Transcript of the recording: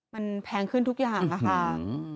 มันแพงขึ้นทุกอย่างค่ะ